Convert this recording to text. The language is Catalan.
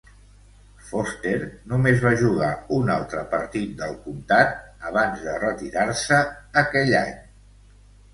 Foster només va jugar un altre partit del comtat abans de retirar-se aquell any.